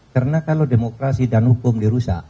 karena kalau demokrasi dan hukum dirusak